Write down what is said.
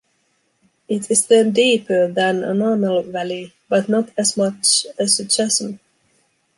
It is then deeper than a normal valley but not as much as a chasm.